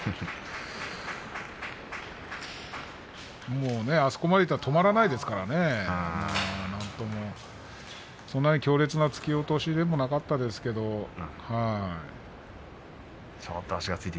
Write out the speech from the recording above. もうね、あそこまでいったら止まらないですからねなんともそんなに強烈な突き落としではなかったですけど、はい。